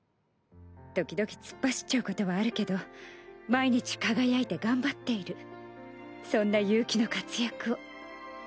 時々突っ走っちゃうことはあるけど毎日輝いて頑張っているそんな悠希の活躍を。